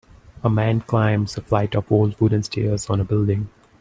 A man climbs a flight of old wooden stairs on a building.